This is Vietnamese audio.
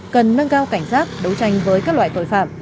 cần nâng cao cảnh giác đấu tranh với các loại tội phạm